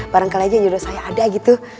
barangkali aja nyuruh saya ada gitu